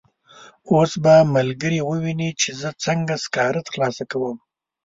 اوس به ملګري وویني چې زه څنګه سکاره ترلاسه کوم.